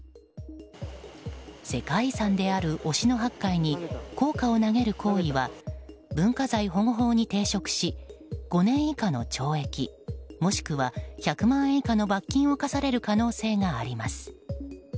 世界遺産である忍野八海に硬貨を投げる行為は文化財保護法に抵触し５年以下の懲役もしくは１００万円以下の罰金を科される可能性があります。